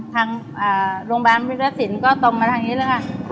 ทางโรงพยาบาลวิทยาศิลป์ก็ตรงมาทางนี้เลยค่ะ